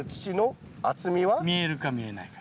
見えるか見えないか。